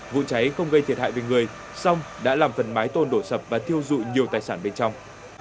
vụ cháy không gây thiệt hại về người song đã làm phần mái tôn đổ sập và thiêu dụi nhiều tài sản bên trong